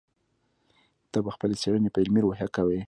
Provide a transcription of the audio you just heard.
ته به خپلې څېړنې په علمي روحیه کوې.